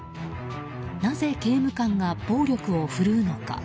なぜ刑務官が暴力をふるうのか。